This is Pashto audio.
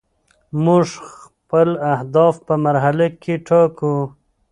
موږ خپل اهداف په مرحله کې ټاکو.